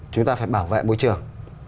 chúng ta phải bảo vệ môi trường